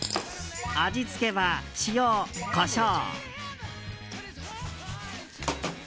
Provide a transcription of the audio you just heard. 味付けは塩、コショウ。